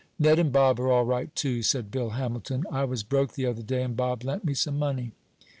"Ned and Bob are all right, too," said Bill Hamilton. "I was broke the other day and Bob lent me some money."